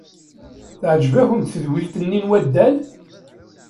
Teɛjeb-akent tedwilt-nni n waddal?